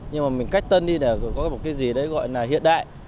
nhưng mà mình cách tân đi để có một cái gì đấy gọi là hiện đại